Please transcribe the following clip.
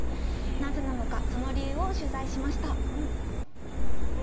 なぜなのかその理由を取材しました。